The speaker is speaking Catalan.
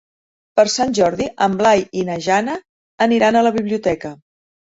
Per Sant Jordi en Blai i na Jana aniran a la biblioteca.